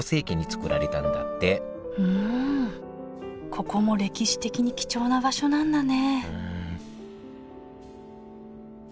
ここも歴史的に貴重な場所なんだね